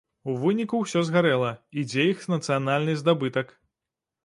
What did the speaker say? У выніку ўсё згарэла, і дзе іх нацыянальны здабытак?